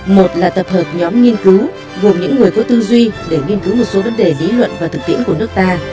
một là tập hợp nhóm nghiên cứu gồm những người có tư duy để nghiên cứu một số vấn đề lý luận và thực tiễn của nước ta